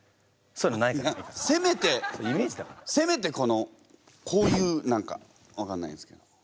せめてせめてこのこういう何か分かんないんですけど。